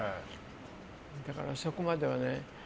だからそこまではね。